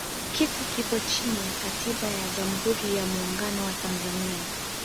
kitu kipo chini ya katiba ya jamhuri ya muungano wa tanzania